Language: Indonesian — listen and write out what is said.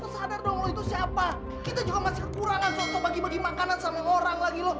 sadar dong lo itu siapa kita juga masih kekurangan untuk bagi bagi makanan sama orang lagi loh